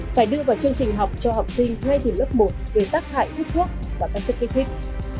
phải đưa vào chương trình học cho học sinh ngay từ lớp một về tác hại hút thuốc và các chất kích thích